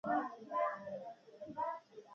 ایا ستاسو زنګ به وهل کیږي؟